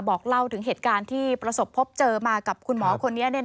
บอกเล่าถึงเหตุการณ์ที่ประสบพบเจอมากับคุณหมอคนนี้